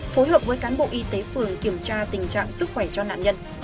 phối hợp với cán bộ y tế phường kiểm tra tình trạng sức khỏe cho nạn nhân